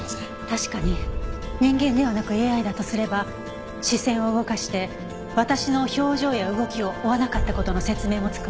確かに人間ではなくＡＩだとすれば視線を動かして私の表情や動きを追わなかった事の説明もつくわ。